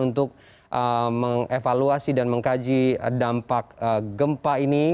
untuk mengevaluasi dan mengkaji dampak gempa ini